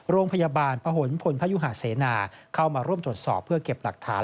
โรงพยาบาลพะหนพลพยุหาเสนาเข้ามาร่วมตรวจสอบเพื่อเก็บหลักฐาน